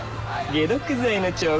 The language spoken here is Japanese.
解毒剤の調合